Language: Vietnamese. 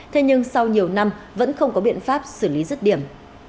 thế nhưng sau nhiều năm vẫn không có biện pháp xử lý rứt điểm